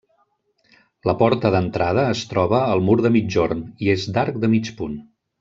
La porta d'entrada es troba al mur de migjorn i és d'arc de mig punt.